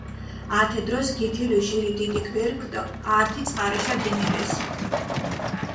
ათე დროს გითილჷ ჟირი დიდი გვერქჷ დო ართი წყარიშა დინილესჷ.